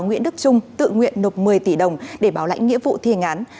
nguyễn đức trung tự nguyện nộp một mươi tỷ đồng để bảo lãnh nghĩa vụ thi hành án